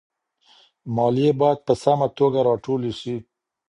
ماليې بايد په سمه توګه راټولي سي.